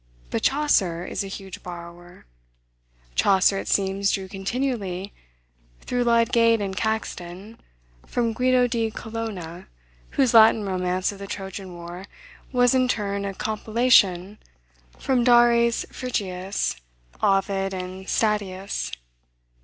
But Chaucer is a huge borrower. Chaucer, it seems, drew continually, through Lydgate and Caxton, from Guido di Colonna, whose Latin romance of the Trojan war was in turn a compilation from Dares Phrygius, Ovid, and Statius.